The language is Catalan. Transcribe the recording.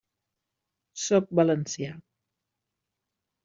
Sóc valencià.